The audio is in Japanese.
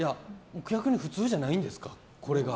逆に普通じゃないんですかこれが。